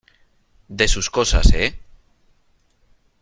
de sus cosas ,¿ eh ?